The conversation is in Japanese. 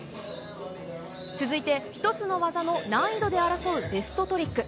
続いて、１つの技の難易度で争うベストトリック。